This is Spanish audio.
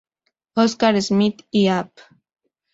Oscar Smith y Av.